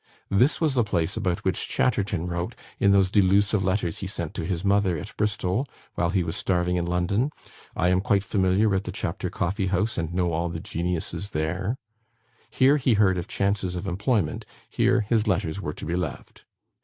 This was the place about which Chatterton wrote, in those delusive letters he sent to his mother at Bristol, while he was starving in London. "I am quite familiar at the Chapter Coffee house, and know all the geniuses there." Here he heard of chances of employment; here his letters were to be left.